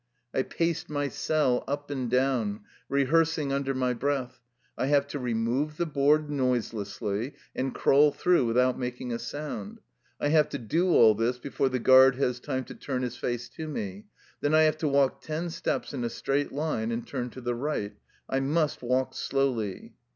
I paced my cell up and down, rehearsing under my breath :" I have to remove the board noiselessly, and crawl through without making a sound. I have to do all this before the guard has time to turn his face to me. Then I have to walk ten steps in a straight line, and turn to the right. I must walk slowly."